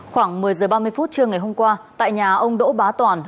khoảng một mươi h ba mươi phút trưa ngày hôm qua tại nhà ông đỗ bá toàn